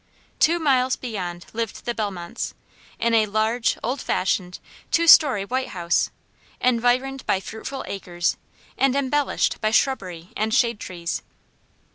Two miles beyond lived the Bellmonts, in a large, old fashioned, two story white house, environed by fruitful acres, and embellished by shrubbery and shade trees.